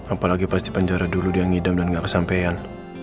apalagi pas di penjara dulu dia ngidam dan gak kesampean